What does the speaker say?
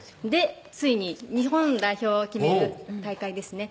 ついに日本代表を決める大会ですね